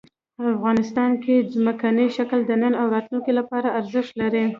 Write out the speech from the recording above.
افغانستان کې ځمکنی شکل د نن او راتلونکي لپاره ارزښت لري.